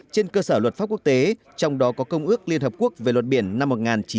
trên cơ sở luật pháp quốc tế trong đó có công ước liên hợp quốc về luật biển năm một nghìn chín trăm tám mươi hai